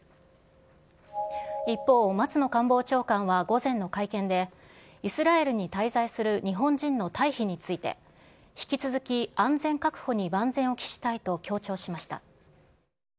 一方、松野官房長官は午前の会見で、イスラエルに滞在する日本人の退避について、引き続き安全確保に万全を期したいと強調しました。